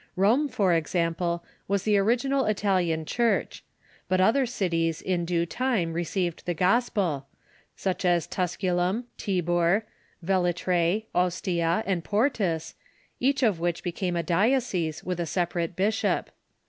Rome, for example, was the original Italian Church. But other cities in due time received the gospel, such as Tusculum, Tibur, Velitr.ie, Ostia, and Portus, each of which became a diocese, Avith a separate bishop.